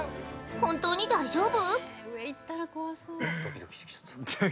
本当に大丈夫？